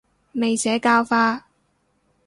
未社教化